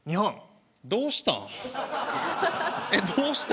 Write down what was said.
どうしたん。